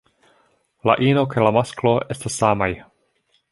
La ino kaj la masklo estas samaj.